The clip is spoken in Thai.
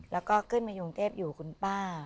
แล้วก็ขึ้นมากรุงเทพอยู่คุณป้า